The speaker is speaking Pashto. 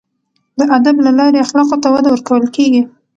د ادب له لارې اخلاقو ته وده ورکول کیږي.